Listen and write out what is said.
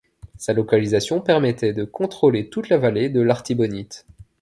Sa localisation permettait de contrôler toute la vallée de l’Artibonite.